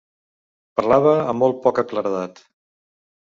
Parlava amb molt poca claredat.